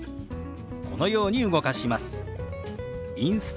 このように動かします。